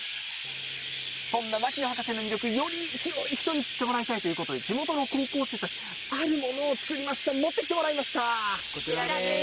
そんな牧野博士の魅力、より広い人に知ってもらいたいということで、地元の高校生たち、あるものを作りました、持ってきてもこちらです。